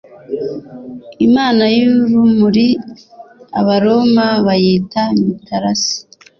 imana y’urumuri. abaroma bayita mitarasi